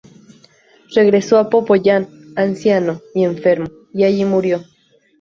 Regresó a Popayán anciano y enfermo, y allí murió.